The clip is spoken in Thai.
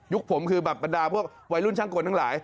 ผมคือแบบบรรดาพวกวัยรุ่นช่างกลทั้งหลาย